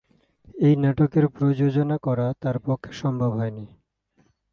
এই নাটকের প্রযোজনা করা তার পক্ষে সম্ভব হয়নি।